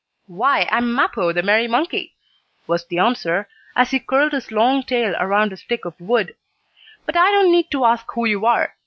"Why, I am Mappo, the merry monkey," was the answer, as he curled his long tail around a stick of wood. "But I don't need to ask who you are.